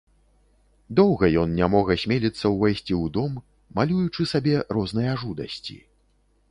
Доўга ён не мог асмеліцца ўвайсці ў дом, малюючы сабе розныя жудасці.